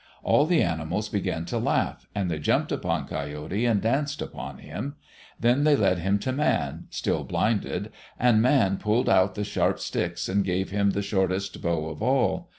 All the animals began to laugh, and they jumped upon Coyote and danced upon him. Then they led him to Man, still blinded, and Man pulled out the sharp sticks and gave him the shortest bow of all.